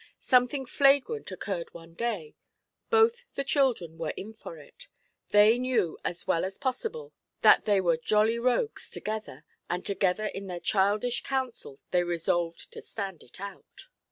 Something flagrant occurred one day; both the children were in for it; they knew as well as possible that they were jolly rogues together, and together in their childish counsel they resolved to stand it out.